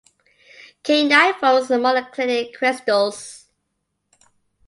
Kainite forms monoclinic crystals.